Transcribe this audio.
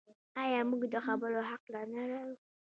آیا موږ د خبرو حق نلرو؟